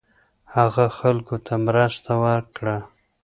هغه خلکو ته مرسته وکړه